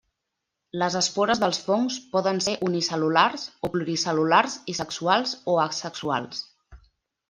Les espores dels fongs poden ser unicel·lulars o pluricel·lulars i sexuals o asexuals.